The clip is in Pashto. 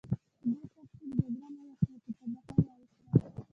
په دې ترتیب جګړه لویه شوه او په تباهۍ واوښته